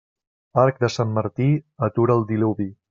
Arc de Sant Martí atura el diluvi.